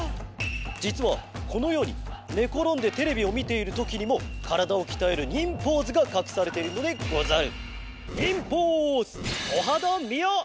じつはこのようにねころんでテレビをみているときにもからだをきたえる忍ポーズがかくされているのでござる。